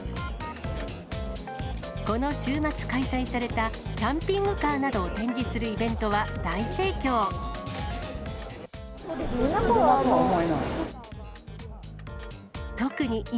この週末開催されたキャンピングカーなどを展示するイベントは大車とは思えない。